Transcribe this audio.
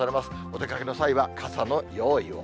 お出かけの際は傘の用意を。